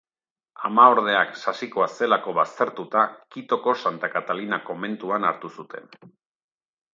Amaordeak sasikoa zelako baztertuta, Quitoko Santa Katalina komentuan hartu zuten.